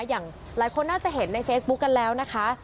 อย่างหลายคนน่าจะเห็นในเฟซบุ๊คกันแล้วนะคะ